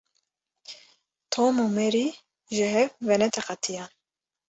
Tom û Mary ji hev venediqetiyan.